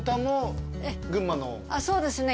そうですね